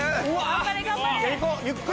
頑張れ頑張れ。